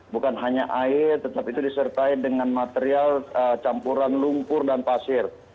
bukan hanya air tetapi itu disertai dengan material campuran lumpur dan pasir